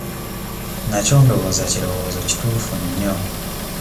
Nakyo ndowooza kirowoozo kituufu nnyo.